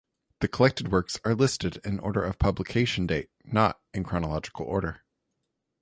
The collected works are listed in order of publication date, not in chronological order.